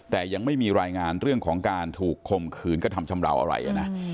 แต่ยังไม่มีรายงานเรื่องของการถูกคมคืนกฎามชำเบาอะไรนะ